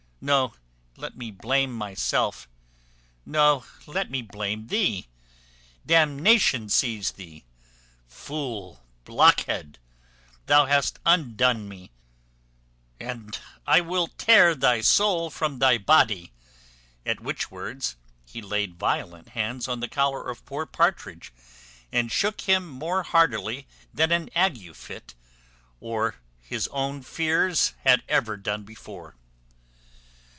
No; let me blame myself! No; let me blame thee. D nation seize thee fool blockhead! thou hast undone me, and I will tear thy soul from thy body." At which words he laid violent hands on the collar of poor Partridge, and shook him more heartily than an ague fit, or his own fears had ever done before.